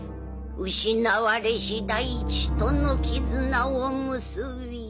失われし大地との絆を結び」。